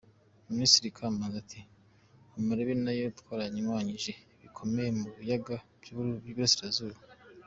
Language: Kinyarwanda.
Ministre Kamanzi ati “amarebe nayo twarayarwanyije bikomeye mu biyaga by’Iburasirazuba”.